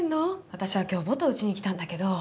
私は今日ボト打ちに来たんだけど。